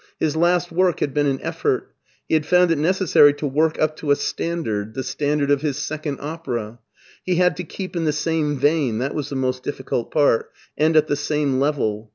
His last work had been an effort. He had found it necessary to work up to a standard — ^the standard of his second openu He had to keep in the same vein — that was the most diflicult part — ^and at the same level.